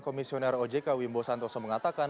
komisioner ojk wimbo santoso mengatakan